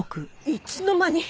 いつの間に？